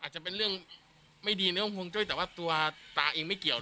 อาจจะเป็นเรื่องไม่ดีเนี่ยครับคุณคุณจ้อยแต่ว่าตัวตาเองไม่เกี่ยว